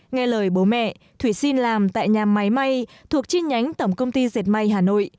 nghe lời bố mẹ thủy xin làm tại nhà máy may thuộc chi nhánh tổng công ty dệt may hà nội